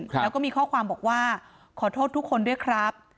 แล้วก็มีข้อความบอกว่าขอโทษทุกคนด้วยครับ